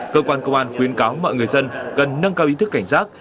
cơ quan công an khuyến cáo mọi người dân cần nâng cao ý thức cảnh giác